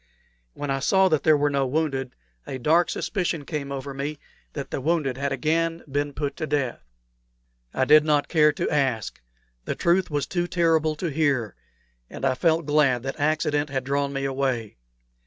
When I saw that there were no wounded, a dark suspicion came over me that the wounded had again been put to death. I did not care to ask. The truth was too terrible to hear, and I felt glad that accident had drawn me away.